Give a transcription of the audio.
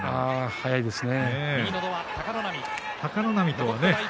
早いですね。